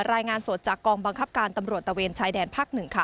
รายงานสดจากกองบังคับการตำรวจตะเวนชายแดนภาค๑ค่ะ